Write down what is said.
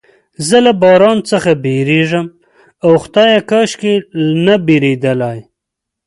زه له باران څخه بیریږم، اوه خدایه، کاشکې نه بیریدلای.